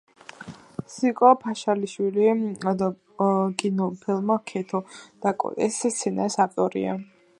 სიკო ფაშალიშვილი კინოფილმ „ქეთო და კოტეს“ სცენარის ავტორია.